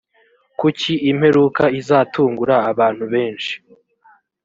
kuki imperuka izatungura abantu benshi